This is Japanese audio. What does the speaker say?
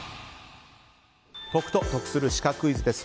解くと得するシカクイズです。